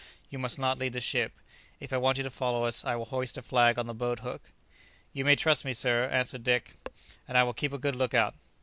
You must not leave the ship. If I want you to follow us, I will hoist a flag on the boat hook." "You may trust me, sir," answered Dick; "and I will keep a good look out."